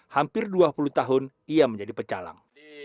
hampir dua puluh tahun ia menjadi pecalang